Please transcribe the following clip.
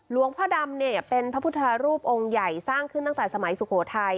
หลวงพ่อดำเป็นพระพุทธรูปองค์ใหญ่สร้างขึ้นตั้งแต่สมัยสุโขทัย